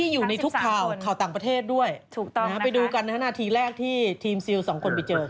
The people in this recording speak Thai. อยู่ในทุกข่าวข่าวต่างประเทศด้วยถูกต้องไปดูกันนะฮะนาทีแรกที่ทีมซิลสองคนไปเจอ